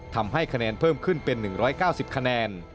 ทำให้คะแนนเพิ่มขึ้นเป็น๑๙๐คะแนน